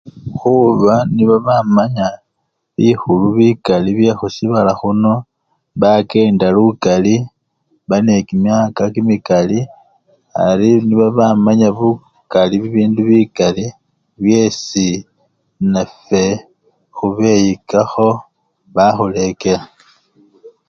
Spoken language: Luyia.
Khuba nibo bamanya bikhulu bikali byekhusibala khuno, bakenda lukali, bali nekimyaka kimikali ari nibo bamanya lukali bibindu bikali byesi nafwe khubeyikakho bakhulekela.